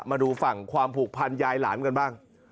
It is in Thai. มาดูฝั่งความผูกพันยายหลานกันบ้าง